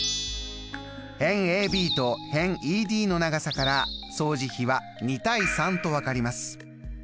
辺ＡＢと辺ＥＤの長さから相似比は２：３と分かります。